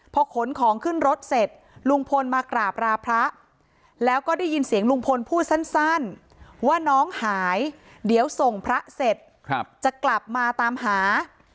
พอขนของขึ้นรถเสร็จลุงพลมากราบราพระแล้วก็ได้ยินเสียงลุงพลพูดสั้นว่าน้องหายเดี๋ยวส่งพระเสร็จจะกลับมาตามหา